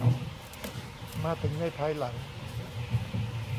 มาถึงในภายหลัง